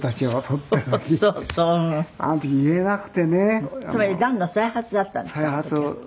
つまりがんの再発だったんですか？